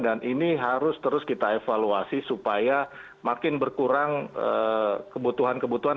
dan ini harus terus kita evaluasi supaya makin berkurang kebutuhan kebutuhan